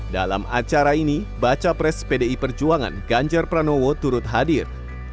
dalam acara ini baca pres pdi perjuangan ganjar pranowo turut hadir